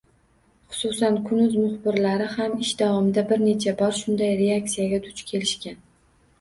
Xususan, Kun.uz muxbirlari ham ish davomida bir necha bor shunday reaksiyaga duch kelishgan.